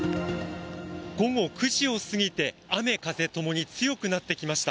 午後９時を過ぎて雨風ともに強くなってきました。